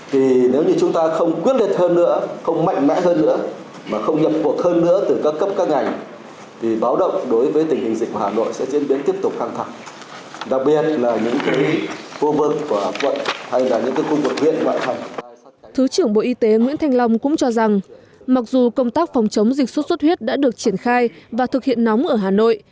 thứ trưởng bộ y tế nguyễn thanh long cũng cho rằng mặc dù công tác phòng chống dịch xuất xuất huyết đã được triển khai và thực hiện nóng ở hà nội